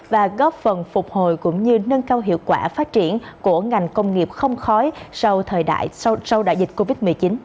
và góp phần phục hồi cũng như nâng cao hiệu quả phát triển của ngành công nghiệp không khói sau đại dịch covid một mươi chín